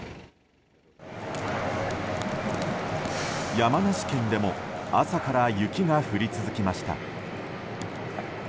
山梨県でも朝から雪が降り続きました。